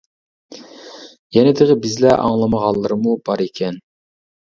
يەنە تېخى بىزلەر ئاڭلىمىغانلىرىمۇ بار ئىكەن.